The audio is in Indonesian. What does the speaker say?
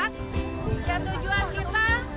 dan tujuan kita